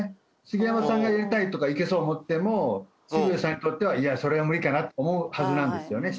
杉山さんがやりたいとかいけそうとかと思っても澁江さんにとってはいやそれは無理かなって思うはずなんですよね